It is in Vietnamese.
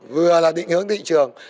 vừa là định hướng thị trường